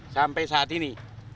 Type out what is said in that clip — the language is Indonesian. sampai saat ini